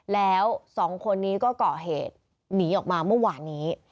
แล้วสองคนนี้ก็เกาะเหตุหนีออกมาเมื่อวานนี้